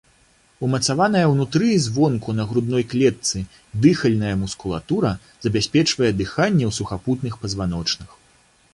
Умацаваная ўнутры і звонку на грудной клетцы дыхальная мускулатура забяспечвае дыханне ў сухапутных пазваночных.